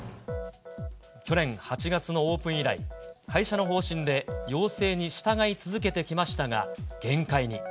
去年８月のオープン以来、会社の方針で要請に従い続けてきましたが、限界に。